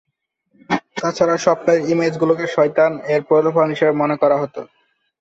তাছাড়া স্বপ্নের ইমেজ গুলোকে শয়তান এর প্রলোভন হিসাবে মনে করা হত।